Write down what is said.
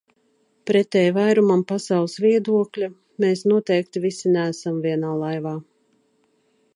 Pretēji vairumam pasaules viedokļa, mēs noteikti visi neesam vienā laivā.